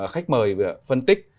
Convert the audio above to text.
khách mời phân tích